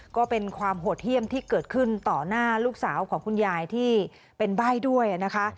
ก็เป็นความโหดเยี่ยมที่เกิดขึ้นต่อหน้าลูกสาวของคุณยายที่เป็นใบ้ด้วยนะคะ